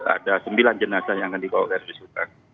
ada sembilan jenazah yang akan dikawal dari subang